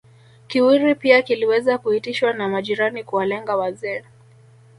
Kiwiri pia kiliweza kuitishwa na majirani kuwalenga wazee